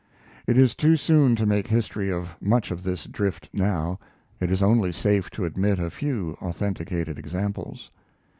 It is too soon to make history of much of this drift now. It is only safe to admit a few authenticated examples.